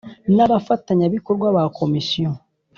N abafatanyabikorwa ba komisiyo